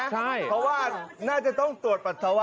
เพราะว่าน่าจะต้องตรวจปัสสาวะ